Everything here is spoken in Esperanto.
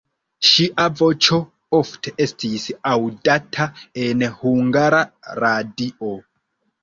Ŝia voĉo ofte estis aŭdata en Hungara Radio.